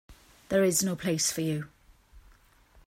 This is no place for you.